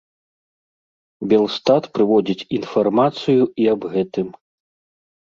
Белстат прыводзіць інфармацыю і аб гэтым.